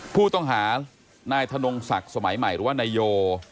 ผู้ต้องหานายธนงศักดิ์สมัยใหม่หรือว่านายโย